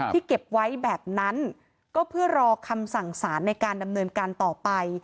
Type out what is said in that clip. เก็บไว้แบบนั้นก็เพื่อรอคำสั่งสารในการดำเนินการต่อไป